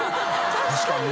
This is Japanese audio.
確かに。